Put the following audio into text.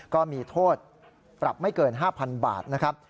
ก็มีโทษปรับไม่เกิน๕๐๐๐บาทนะครับ